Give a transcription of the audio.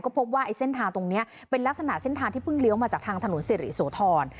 พบว่าไอ้เส้นทางตรงนี้เป็นลักษณะเส้นทางที่เพิ่งเลี้ยวมาจากทางถนนสิริโสธร